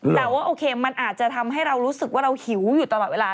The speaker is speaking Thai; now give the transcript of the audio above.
แต่ว่าโอเคมันอาจจะทำให้เรารู้สึกว่าเราหิวอยู่ตลอดเวลา